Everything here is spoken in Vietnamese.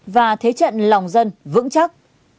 và thế trận lòng dân vững chắc